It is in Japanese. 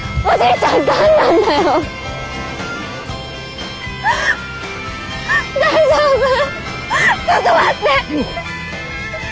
ちょっと待って！